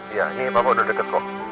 iya ini bapak udah deket kok